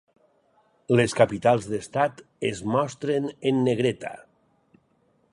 Les capitals d'estat es mostren en negreta.